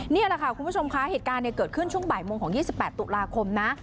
นี่แหละค่ะคุณผู้ชมคะเหตุการณ์เกิดขึ้นช่วงบ่ายโมงของ๒๘ตุลาคมนะ